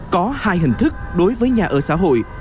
có hai hình thức đối với nhà ở xã hội